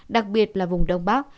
đặc biệt là vùng đông bắc